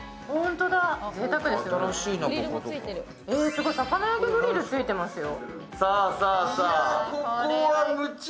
すごい、魚焼きグリルついてますよ。